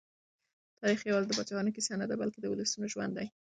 تاریخ یوازې د پاچاهانو کیسه نه، بلکې د ولسونو ژوند دی.